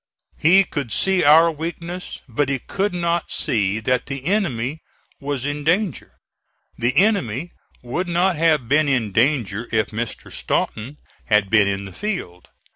He could see our weakness, but he could not see that the enemy was in danger. The enemy would not have been in danger if Mr. Stanton had been in the field.